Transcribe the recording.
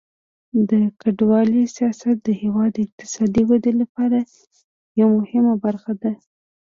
د کډوالۍ سیاست د هیواد د اقتصادي ودې لپاره یوه مهمه برخه ده.